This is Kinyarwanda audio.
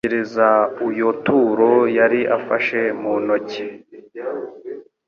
Yitegereza uyo turo yari afashe mu ntoke,